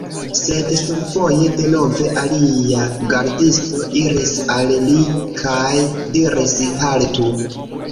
Sed survoje, denove alia gardisto iris al li kaj diris: "Haltu